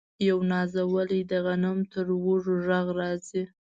یو نازولی د غنم تر وږو ږغ راځي